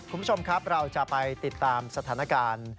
คุณผู้ชมครับเราจะไปติดตามสถานการณ์